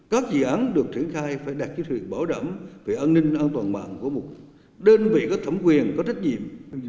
các dự án được triển khai phải đạt chứa thuyền bảo đảm về an ninh an toàn mạng của một đơn vị có thẩm quyền có trách nhiệm